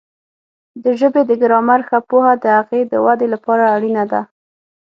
د ژبې د ګرامر ښه پوهه د هغې د وده لپاره اړینه ده.